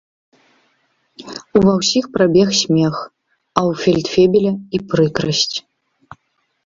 Ува ўсіх прабег смех, а ў фельдфебеля і прыкрасць.